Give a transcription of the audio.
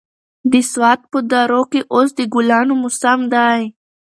د سوات په درو کې اوس د ګلانو موسم دی.